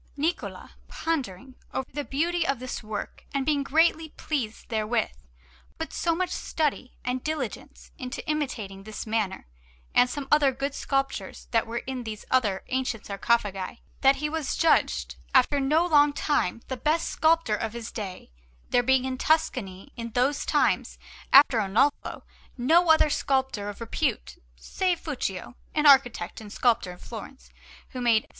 [Illustration: Alinari THE PULPIT OF THE BAPTISTERY OF PISA (After Niccola Pisano. Pisa)] Niccola, pondering over the beauty of this work and being greatly pleased therewith, put so much study and diligence into imitating this manner and some other good sculptures that were in these other ancient sarcophagi, that he was judged, after no long time, the best sculptor of his day; there being in Tuscany in those times, after Arnolfo, no other sculptor of repute save Fuccio, an architect and sculptor of Florence, who made S.